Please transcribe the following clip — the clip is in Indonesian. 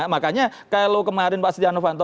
makanya kalau kemarin pak siti anufanto